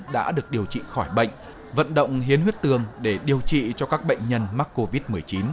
đã được điều trị khỏi bệnh vận động hiến huyết tương để điều trị cho các bệnh nhân mắc covid một mươi chín